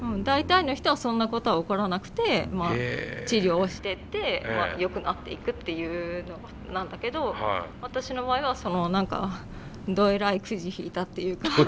大体の人はそんなことは起こらなくて治療をしてってよくなっていくっていうのがなんだけど私の場合は何かどえらいくじ引いたっていうか。